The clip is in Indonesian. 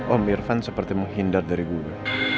om irvan seperti menghindar dari gue